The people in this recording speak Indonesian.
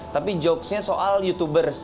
tapi jokesnya soal youtubers